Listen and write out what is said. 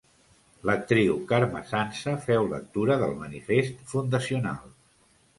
L'actriu Carme Sansa féu lectura del manifest fundacional.